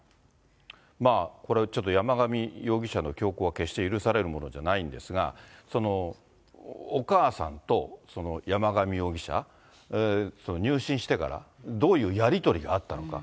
これちょっと山上容疑者の凶行は決して許されるものじゃないんですが、お母さんと山上容疑者、入信してからどういうやり取りがあったのか。